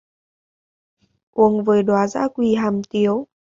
Uống với đóa dã Quỳ Hàm Tiếu